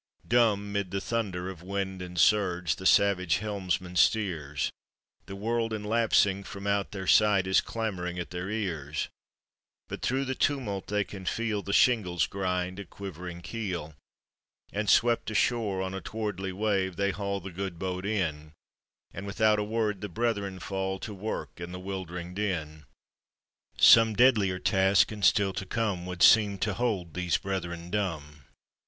Dumb 'mid the thunder of wind and surge, That savage helmsman steers, The world in lapsing from out their sight Is clamoring at their ears; But through the tumult they can feel The shingles grind a quivering keel And swept ashore on a towardly wave, They haul the good boat in, And without a word the brethren fall To work in the 'wildering din : Some deadlier task, and still to come, Would seem to hold those brethren dumb.